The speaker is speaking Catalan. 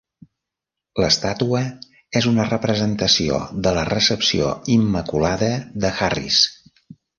L'estàtua és una representació de la Recepció Immaculada de Harris.